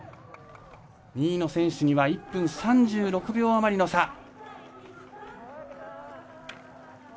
２位の選手には１分３６秒余りの差。